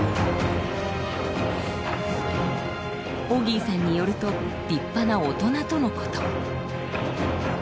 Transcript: オギーさんによると立派な大人とのこと。